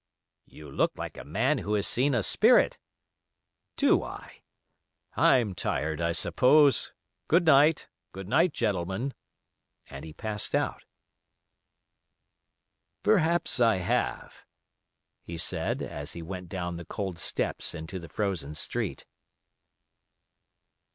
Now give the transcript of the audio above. "You look like a man who has seen a spirit." "Do I? I'm tired, I suppose. Good night,—good night, gentlemen," and he passed out. "Perhaps I have," he said as he went down the cold steps into the frozen street.